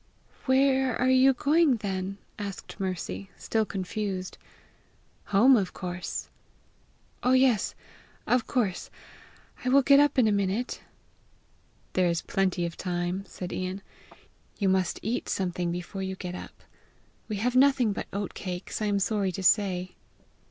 "Where are you going then?" asked Mercy, still confused. "Home, of course." "Oh, yes, of course! I will get up in a minute." "There is plenty of time," said Ian. "You must eat something before you get up. We, have nothing but oat cakes, I am sorry to say!"